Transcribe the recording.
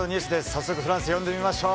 早速フランス呼んでみましょう。